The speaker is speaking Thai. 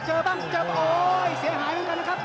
บ้างเจอโอ้ยเสียหายเหมือนกันนะครับ